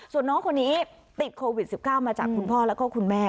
ส่วนน้องคนนี้ติดโควิด๑๙มาจากคุณพ่อแล้วก็คุณแม่